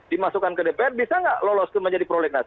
dimasukkan ke dpr bisa gak lolos menjadi prolegnasi